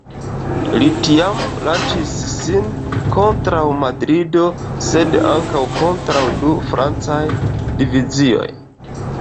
Li tiam lanĉis sin kontraŭ Madrido sed ankaŭ kontraŭ du francaj divizioj.